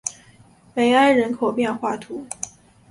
梅埃人口变化图示